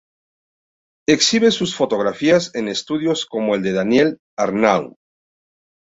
Exhibe sus fotografías en estudios como el de Danielle Arnaud.